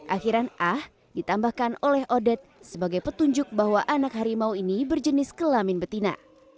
akhiran ah ditambahkan oleh odet sebagai petunjuk bahwa anak harimau ini berjenis kelamin betina